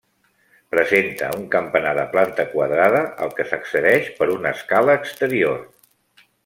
Presenta un campanar de planta quadrada al que s'accedeix per una escala exterior.